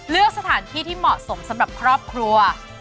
เลือกสถานที่ที่เหมาะสมสำหรับครอบครัว